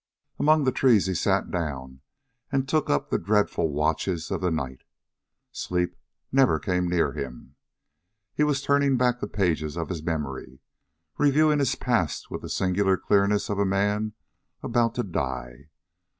Among the trees he sat down and took up the dreadful watches of the night. Sleep never came near him. He was turning the back pages of his memory, reviewing his past with the singular clearness of a man about to die.